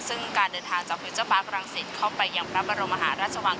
ซึ่งการเดินทางจากฟิวเจอร์ปาร์ครังสิตเข้าไปยังพระบรมมหาราชวัง